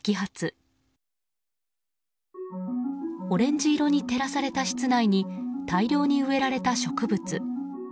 オレンジ色に照らされた室内に大量に植えられた植物